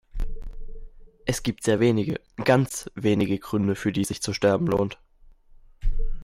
Es gibt sehr wenige, ganz wenige Gründe, für die es sich zu sterben lohnt.